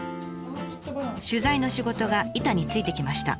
取材の仕事が板についてきました。